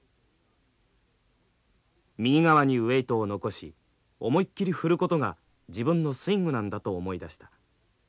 「右側にウエイトを残し思いっきり振ることが自分のスイングなんだと思い出した。